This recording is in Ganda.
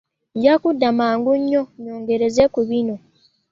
Nja kudda mangu nyongereze ku bino .